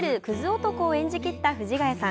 男を演じきった藤ヶ谷さん。